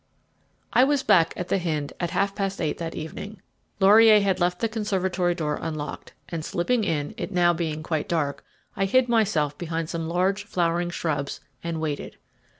I was back again at The Hynde at half past eight that evening. Laurier had left the conservatory door unlocked, and, slipping in, it being now quite dark, I hid myself behind some large flowering shrubs and waited.